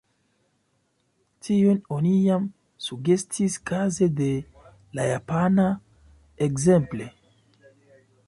Tion oni jam sugestis kaze de la japana, ekzemple.